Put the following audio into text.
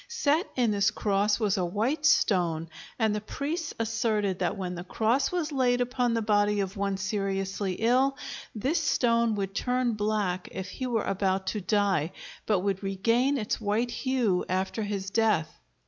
Set in this cross was a white stone, and the priests asserted that when the cross was laid upon the body of one seriously ill, this stone would turn black if he were about to die, but would regain its white hue after his death.